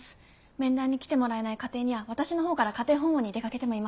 面談に来てもらえない家庭には私の方から家庭訪問にも出かけてもいます。